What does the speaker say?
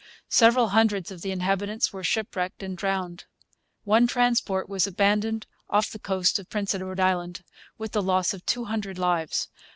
Several hundreds of the inhabitants were shipwrecked and drowned. One transport was abandoned off the coast of Prince Edward Island, with the loss of two hundred lives.